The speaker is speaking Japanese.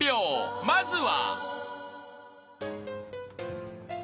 まずは］